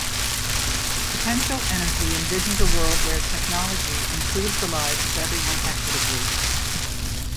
Potential Energy envisions a world where technology improves the lives of everyone equitably.